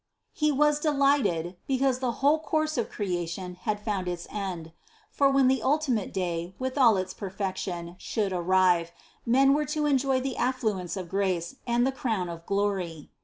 He was delighted, because the whole course of Creation had found its end, for when the ultimate day with all its perfection should arrive, men were to enjoy the affluence of grace and the crown of glory.